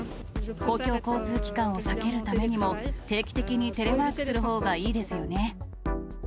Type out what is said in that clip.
公共交通機関を避けるためにも、定期的にテレワークする方がいいですよね。